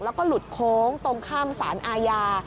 แล้วก็หลุดโค้งตรงข้ามสารอาญา